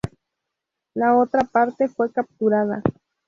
La otra parte fue capturada.